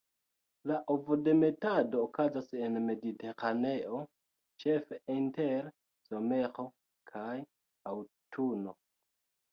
La ovodemetado okazas en Mediteraneo ĉefe inter somero kaj aŭtuno.